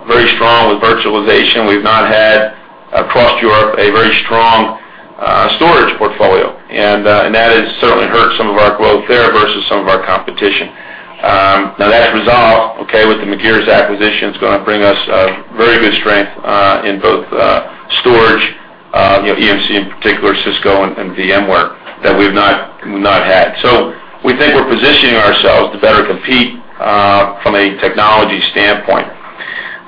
very strong with virtualization, we've not had across Europe a very strong storage portfolio. That has certainly hurt some of our growth there versus some of our competition. Now, that's resolved, okay, with the Magirus acquisition. It's going to bring us very good strength in both storage, EMC in particular, Cisco, and VMware that we've not had. So we think we're positioning ourselves to better compete from a technology standpoint.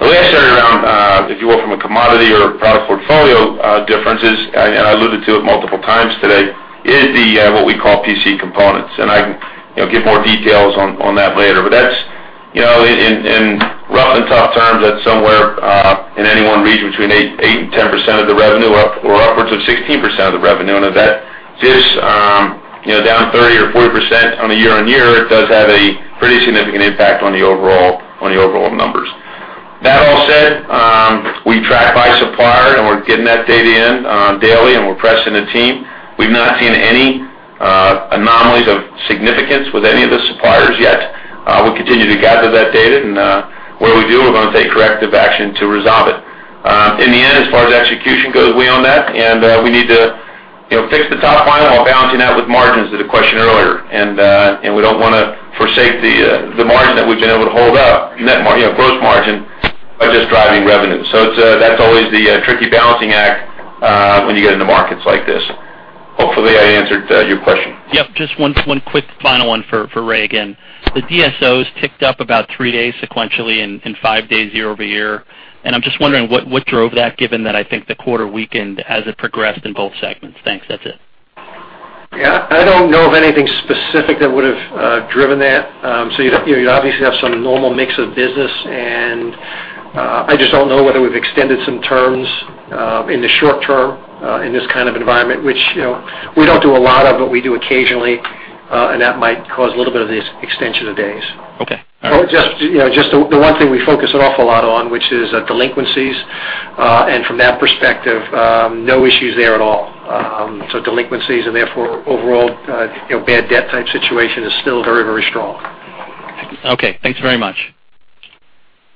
The last area around, if you will, from a commodity or product portfolio differences, and I alluded to it multiple times today, is what we call PC components. And I can give more details on that later. But in rough and tough terms, that's somewhere in any one region between 8%-10% of the revenue or upwards of 16% of the revenue. And if that's down 30% or 40% on a year-over-year, it does have a pretty significant impact on the overall numbers. That all said, we track by supplier, and we're getting that data in daily, and we're pressing the team. We've not seen any anomalies of significance with any of the suppliers yet. We continue to gather that data. And what do we do? We're going to take corrective action to resolve it. In the end, as far as execution goes, we own that. And we need to fix the top line while balancing out with margins to the question earlier. And we don't want to forsake the margin that we've been able to hold up, net gross margin, by just driving revenue. So that's always the tricky balancing act when you get into markets like this. Hopefully, I answered your question. Yep. Just one quick final one for Ray again. The DSOs ticked up about three days sequentially and five days year over year. I'm just wondering what drove that, given that I think the quarter weakened as it progressed in both segments. Thanks. That's it. Yeah. I don't know of anything specific that would have driven that. So you obviously have some normal mix of business. And I just don't know whether we've extended some terms in the short term in this kind of environment, which we don't do a lot of, but we do occasionally. And that might cause a little bit of the extension of days. Okay. All right. Just the one thing we focus an awful lot on, which is delinquencies. From that perspective, no issues there at all. Delinquencies and therefore overall bad debt type situation is still very, very strong. Okay. Thanks very much.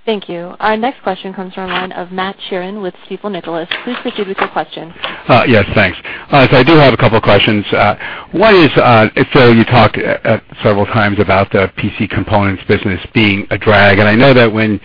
Thank you. Our next question comes from a line of Matthew Sheerin with Stifel Nicolaus. Please proceed with your question. Yes. Thanks. So I do have a couple of questions. One is, Phil, you talked several times about the PC components business being a drag. And I know that when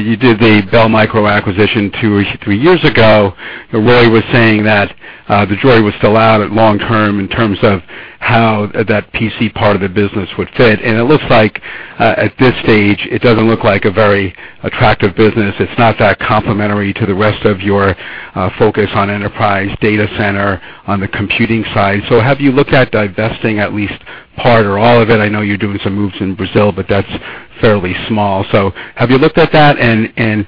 you did the Bell Micro acquisition two or three years ago, Ray was saying that the jury was still out in the long term in terms of how that PC part of the business would fit. And it looks like at this stage, it doesn't look like a very attractive business. It's not that complementary to the rest of your focus on enterprise data center on the computing side. So have you looked at divesting at least part or all of it? I know you're doing some moves in Brazil, but that's fairly small. So have you looked at that and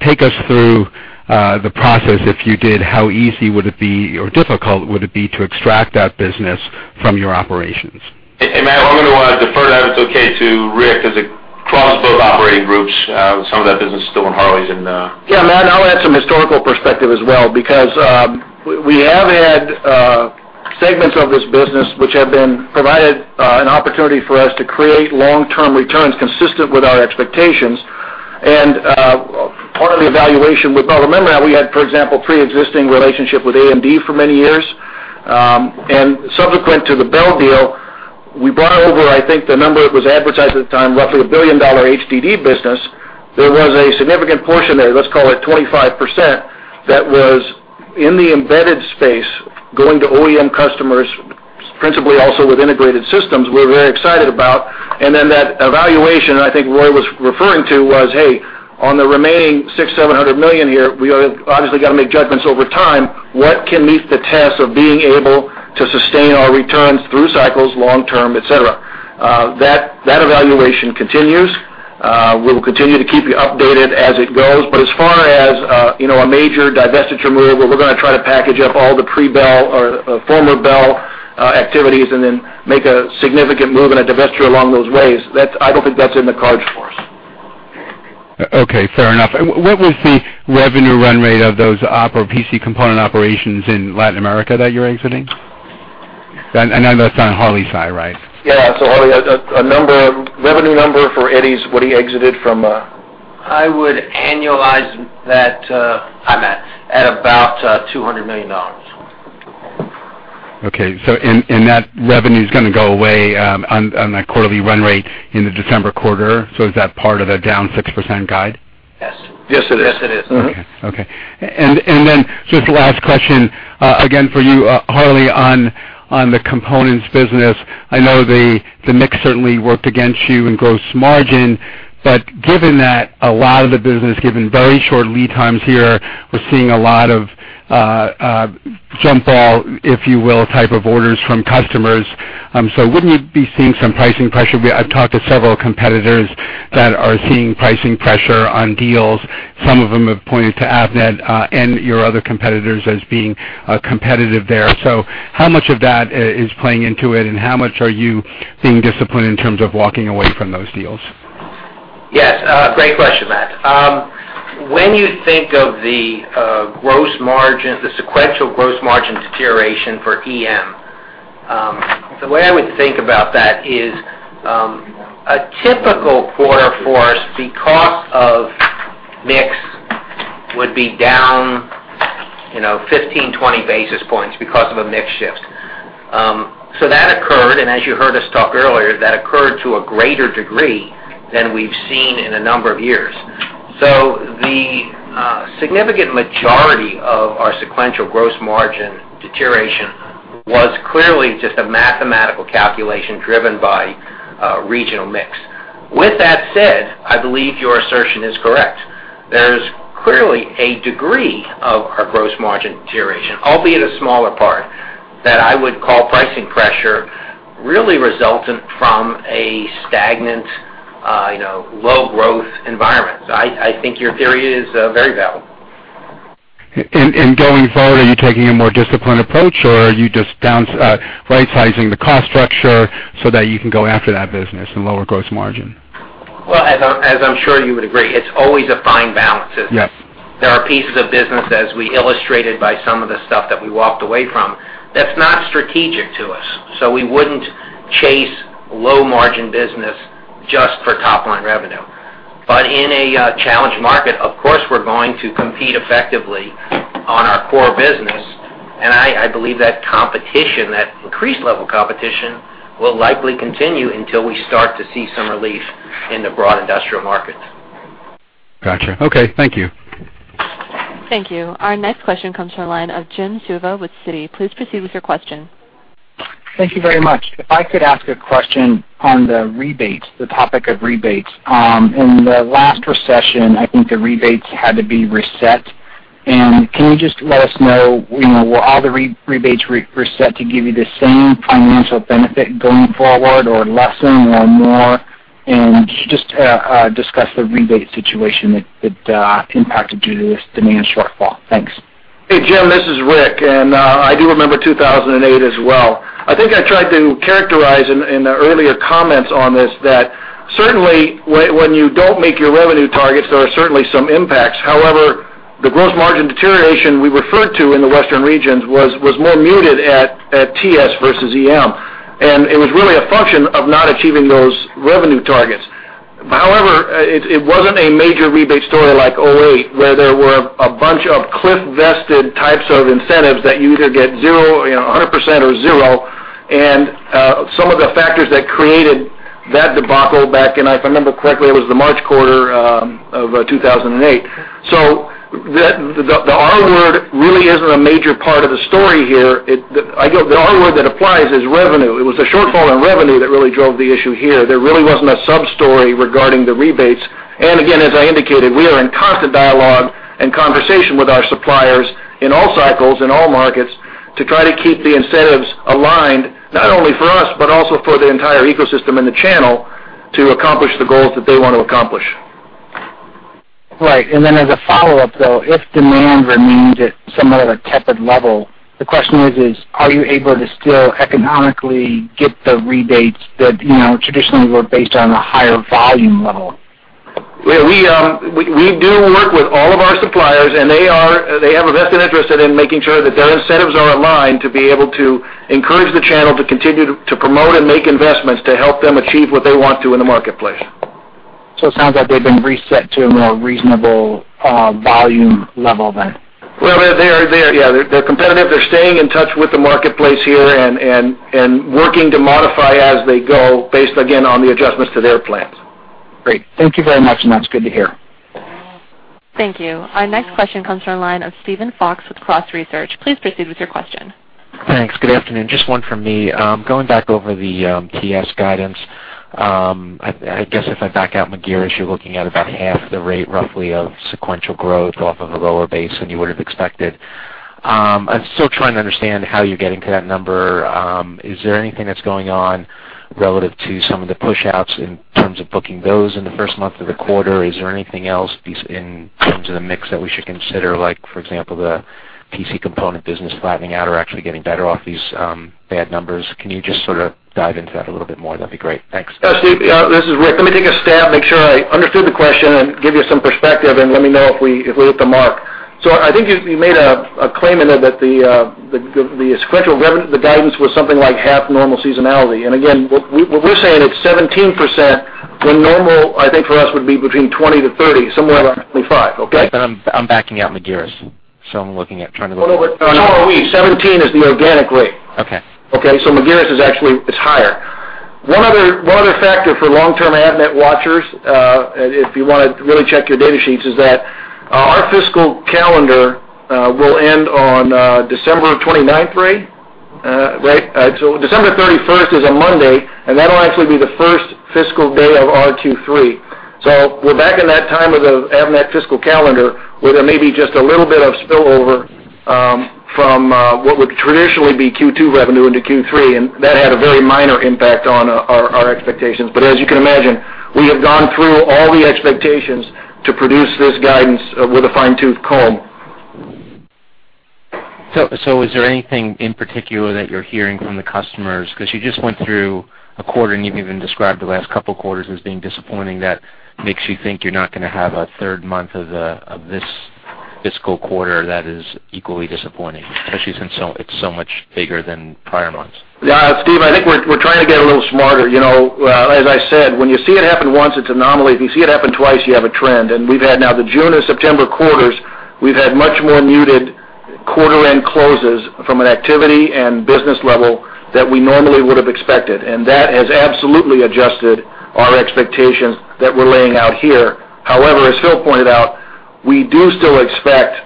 take us through the process? If you did, how easy would it be or difficult would it be to extract that business from your operations? Matt, I'm going to defer to Phil if it's okay to react because it crosses both operating groups. Some of that business is still in Harley's and. Yeah, Matt. I'll add some historical perspective as well because we have had segments of this business which have been provided an opportunity for us to create long-term returns consistent with our expectations. And part of the evaluation with the Bell acquisition, we had, for example, a pre-existing relationship with AMD for many years. And subsequent to the Bell deal, we brought over, I think, the number that was advertised at the time, roughly a $1 billion HDD business. There was a significant portion there, let's call it 25%, that was in the embedded space going to OEM customers, principally also with integrated systems, we're very excited about. And then that evaluation, I think Ray was referring to, was, "Hey, on the remaining $600 million to $700 million here, we obviously got to make judgments over time. What can meet the test of being able to sustain our returns through cycles, long-term, etc.?" That evaluation continues. We will continue to keep you updated as it goes. But as far as a major divestiture move, we're going to try to package up all the pre-Bell or former Bell activities and then make a significant move and a divestiture along those ways. I don't think that's in the cards for us. Okay. Fair enough. What was the revenue run rate of those PC component operations in Latin America that you're exiting? I know that's on Harley's side, right? Yeah. So, Harley, a revenue number for Eddie's, what he exited from? I would annualize that, Hi Matt, at about $200 million. Okay. So that revenue is going to go away on that quarterly run rate in the December quarter. So is that part of the down 6% guide? Yes. Yes, it is. Yes, it is. Okay. Okay. And then just the last question again for you, Harley, on the components business. I know the mix certainly worked against you in gross margin. But given that a lot of the business, given very short lead times here, we're seeing a lot of jump ball, if you will, type of orders from customers. So wouldn't you be seeing some pricing pressure? I've talked to several competitors that are seeing pricing pressure on deals. Some of them have pointed to Avnet and your other competitors as being competitive there. So how much of that is playing into it? And how much are you being disciplined in terms of walking away from those deals? Yes. Great question, Matt. When you think of the sequential gross margin deterioration for EM, the way I would think about that is a typical quarter for us, the cost of mix would be down 15-20 basis points because of a mix shift. So that occurred, and as you heard us talk earlier, that occurred to a greater degree than we've seen in a number of years. So the significant majority of our sequential gross margin deterioration was clearly just a mathematical calculation driven by regional mix. With that said, I believe your assertion is correct. There's clearly a degree of our gross margin deterioration, albeit a smaller part, that I would call pricing pressure really resultant from a stagnant, low-growth environment. So I think your theory is very valid. Going forward, are you taking a more disciplined approach, or are you just right-sizing the cost structure so that you can go after that business and lower gross margin? Well, as I'm sure you would agree, it's always a fine balance. There are pieces of business, as we illustrated by some of the stuff that we walked away from, that's not strategic to us. So we wouldn't chase low-margin business just for top-line revenue. But in a challenged market, of course, we're going to compete effectively on our core business. And I believe that increased level competition will likely continue until we start to see some relief in the broad industrial market. Gotcha. Okay. Thank you. Thank you. Our next question comes from a line of Jim Suva with Citi. Please proceed with your question. Thank you very much. If I could ask a question on the rebates, the topic of rebates. In the last recession, I think the rebates had to be reset. And can you just let us know, were all the rebates reset to give you the same financial benefit going forward or lesser or more? And just discuss the rebate situation that impacted due to this demand shortfall. Thanks. Hey, Jim, this is Rick. I do remember 2008 as well. I think I tried to characterize in the earlier comments on this that certainly when you don't make your revenue targets, there are certainly some impacts. However, the gross margin deterioration we referred to in the Western regions was more muted at TS versus EM. It was really a function of not achieving those revenue targets. However, it wasn't a major rebate story like 2008, where there were a bunch of cliff-vested types of incentives that you either get 100% or zero. Some of the factors that created that debacle back in, if I remember correctly, it was the March quarter of 2008. The R-word really isn't a major part of the story here. The R-word that applies is revenue. It was the shortfall in revenue that really drove the issue here. There really wasn't a sub-story regarding the rebates. Again, as I indicated, we are in constant dialogue and conversation with our suppliers in all cycles and all markets to try to keep the incentives aligned, not only for us, but also for the entire ecosystem in the channel to accomplish the goals that they want to accomplish. Right. And then as a follow-up, though, if demand remained at somewhat of a tepid level, the question is, are you able to still economically get the rebates that traditionally were based on a higher volume level? We do work with all of our suppliers, and they have a vested interest in making sure that their incentives are aligned to be able to encourage the channel to continue to promote and make investments to help them achieve what they want to in the marketplace. It sounds like they've been reset to a more reasonable volume level then. Well, they're competitive. They're staying in touch with the marketplace here and working to modify as they go based, again, on the adjustments to their plans. Great. Thank you very much. That's good to hear. Thank you. Our next question comes from a line of Steven Fox with Cross Research. Please proceed with your question. Thanks. Good afternoon. Just one from me. Going back over the TS guidance, I guess if I back out Magirus, you're looking at about half the rate, roughly, of sequential growth off of a lower base than you would have expected. I'm still trying to understand how you're getting to that number. Is there anything that's going on relative to some of the push-outs in terms of booking those in the first month of the quarter? Is there anything else in terms of the mix that we should consider, like for example, the PC component business flattening out or actually getting better off these bad numbers? Can you just sort of dive into that a little bit more? That'd be great. Thanks. Yeah. This is Rick. Let me take a stab, make sure I understood the question, and give you some perspective, and let me know if we hit the mark. So I think you made a claim in there that the sequential guidance was something like half normal seasonality. And again, what we're saying is 17% when normal, I think for us, would be between 20% to 30%, somewhere around 25%. Okay? I'm backing out Magirus. I'm looking at trying to look at. What are we? 17 is the organic rate. Okay? So Magirus is actually higher. One other factor for long-term Avnet watchers, if you want to really check your data sheets, is that our fiscal calendar will end on December 29th, right? So December 31st is a Monday, and that'll actually be the first fiscal day of FY 23. So we're back in that time of the Avnet fiscal calendar where there may be just a little bit of spillover from what would traditionally be Q2 revenue into Q3. And that had a very minor impact on our expectations. But as you can imagine, we have gone through all the expectations to produce this guidance with a fine-tooth comb. So is there anything in particular that you're hearing from the customers? Because you just went through a quarter, and you've even described the last couple of quarters as being disappointing. That makes you think you're not going to have a third month of this fiscal quarter that is equally disappointing, especially since it's so much bigger than prior months. Yeah. Steve, I think we're trying to get a little smarter. As I said, when you see it happen once, it's an anomaly. If you see it happen twice, you have a trend. And we've had now the June and September quarters, we've had much more muted quarter-end closes from an activity and business level than we normally would have expected. And that has absolutely adjusted our expectations that we're laying out here. However, as Phil pointed out, we do still expect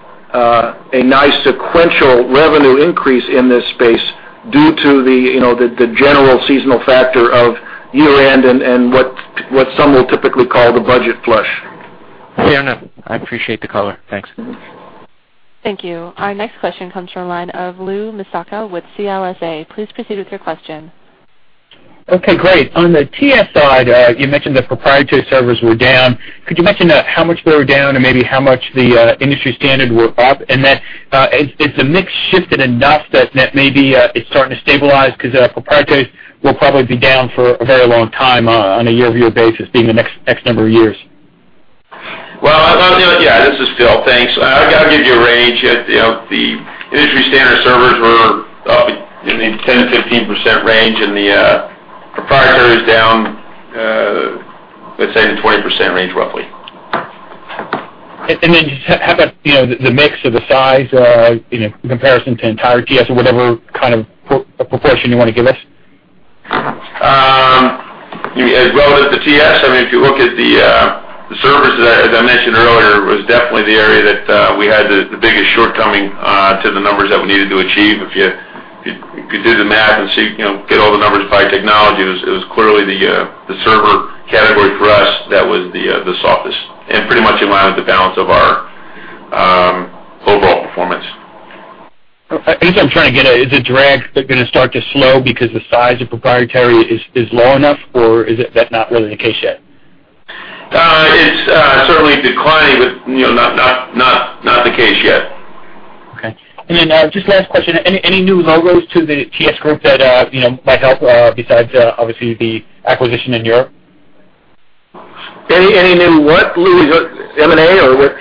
a nice sequential revenue increase in this space due to the general seasonal factor of year-end and what some will typically call the budget flush. Fair enough. I appreciate the color. Thanks. Thank you. Our next question comes from a line of Louis Miscioscia with CLSA. Please proceed with your question. Okay. Great. On the TS side, you mentioned the proprietary servers were down. Could you mention how much they were down and maybe how much the industry standard were up? And then has the mix shifted enough that maybe it's starting to stabilize? Because proprietaries will probably be down for a very long time on a year-over-year basis, being the next number of years. Well, yeah, this is Phil. Thanks. I'll give you a range. The industry standard servers were up in the 10%-15% range, and the proprietaries down, let's say, in the 20% range, roughly. And then, how about the mix or the size in comparison to the entire TS or whatever kind of proportion you want to give us? As well as the TS, I mean, if you look at the servers, as I mentioned earlier, it was definitely the area that we had the biggest shortcoming to the numbers that we needed to achieve. If you could do the math and get all the numbers by technology, it was clearly the server category for us that was the softest and pretty much in line with the balance of our overall performance. I guess I'm trying to get at, is the drag going to start to slow because the size of proprietary is low enough, or is that not really the case yet? It's certainly declining, but not the case yet. Okay. And then, just last question. Any new logos to the TS group that might help, besides, obviously, the acquisition in Europe? Any new what? Lou, M&A or what?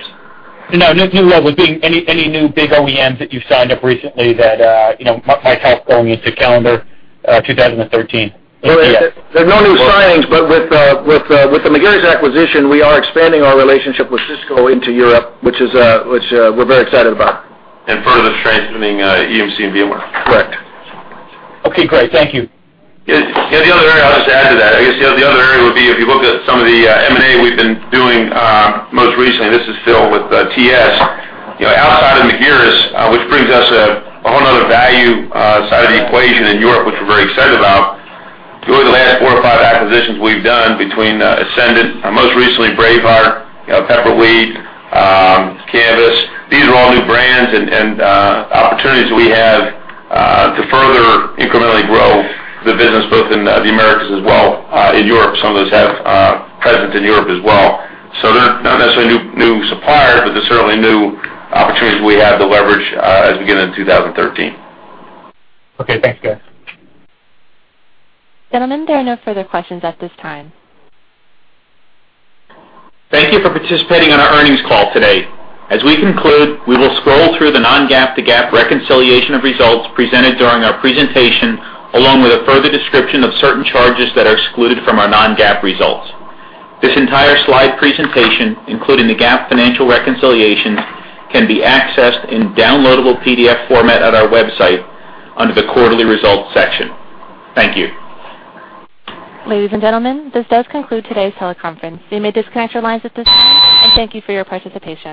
No, new logos. Any new big OEMs that you've signed up recently that might help going into calendar 2013? There are no new signings, but with the Magirus acquisition, we are expanding our relationship with Cisco into Europe, which we're very excited about. Further strengthening EMC and VMware. Correct. Okay. Great. Thank you. Yeah. The other area I'll just add to that. I guess the other area would be if you look at some of the M&A we've been doing most recently, and this is still with TS, outside of Magirus, which brings us a whole nother value side of the equation in Europe, which we're very excited about. The last four or five acquisitions we've done between Ascendant, most recently Braveheart, Pepperweed, Canvas. These are all new brands and opportunities that we have to further incrementally grow the business both in the Americas as well in Europe. Some of those have presence in Europe as well. So they're not necessarily new suppliers, but they're certainly new opportunities we have to leverage as we get into 2013. Okay. Thanks, guys. Gentlemen, there are no further questions at this time. Thank you for participating in our earnings call today. As we conclude, we will scroll through the non-GAAP to GAAP reconciliation of results presented during our presentation, along with a further description of certain charges that are excluded from our non-GAAP results. This entire slide presentation, including the GAAP financial reconciliation, can be accessed in downloadable PDF format at our website under the quarterly results section. Thank you. Ladies and gentlemen, this does conclude today's teleconference. We may disconnect your lines at this time, and thank you for your participation.